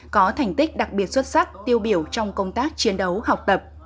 có thành tích đặc biệt xuất sắc tiêu biểu trong công tác chiến đấu học tập